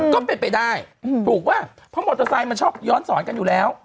ก็เป็นไปได้ถูกป่ะเพราะมอเตอร์ไซค์มันชอบย้อนสอนกันอยู่แล้ว